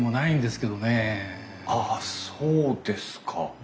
あそうですか。